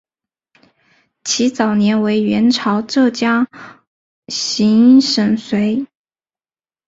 其早年为元朝浙江行省掾。